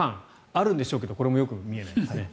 あるんでしょうけどこれもよく見えない。